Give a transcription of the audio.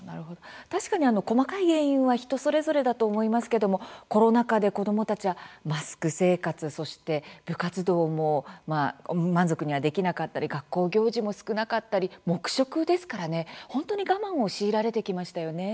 確かに細かい原因は人それぞれだと思いますけどもコロナ禍で子どもたちはマスク生活、そして部活動も満足にはできなかったり学校行事も少なかったり黙食ですからね、本当に我慢を強いられてきましたよね。